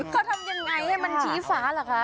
เขาทำยังไงให้มันชี้ฟ้าเหรอคะ